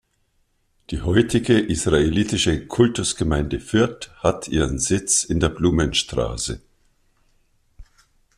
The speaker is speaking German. Die heutige Israelitische Kultusgemeinde Fürth hat ihren Sitz in der Blumenstraße.